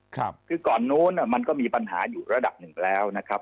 คือก่อนนู้นมันก็มีปัญหาอยู่ระดับหนึ่งแล้วนะครับ